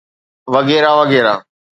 وغيره وغيره.